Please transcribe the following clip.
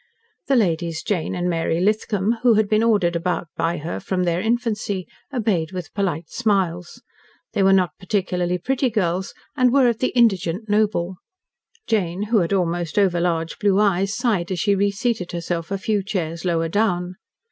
The Ladies Jane and Mary Lithcom, who had been ordered about by her from their infancy, obeyed with polite smiles. They were not particularly pretty girls, and were of the indigent noble. Jane, who had almost overlarge blue eyes, sighed as she reseated herself a few chairs lower down.